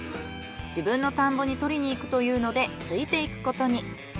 自分の田んぼに採りに行くというのでついて行くことに。